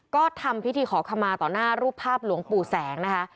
ก็ทำพิธีขอขมาต่อหน้ารูปภาพหลวงปู่แสงนะคะ